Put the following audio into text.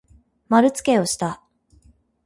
まるつけをした。